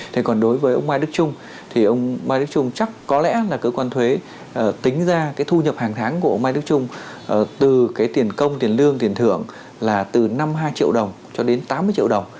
thế còn đối với ông mai đức trung thì ông mai đức trung chắc có lẽ là cơ quan thuế tính ra cái thu nhập hàng tháng của ông mai đức trung từ cái tiền công tiền lương tiền thưởng là từ năm hai triệu đồng cho đến tám mươi triệu đồng